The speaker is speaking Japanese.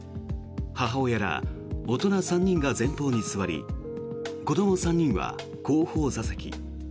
母親ら大人３人が前方に座り子ども３人は後方座席。